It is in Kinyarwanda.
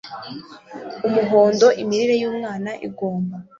umuhondo imirire y'umwana igomba